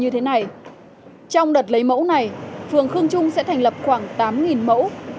trong đợt lấy mẫu này phường khương trung sẽ thành lập khoảng tám mẫu